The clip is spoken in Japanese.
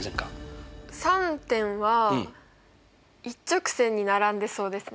３点は一直線に並んでそうですね。